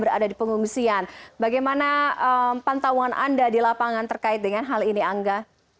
berada di pengungsian bagaimana pantauan anda di lapangan terkait dengan hal ini angga